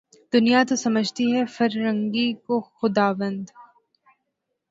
دنیا تو سمجھتی ہے فرنگی کو خداوند